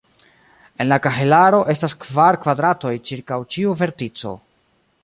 En la kahelaro estas kvar kvadratoj ĉirkaŭ ĉiu vertico.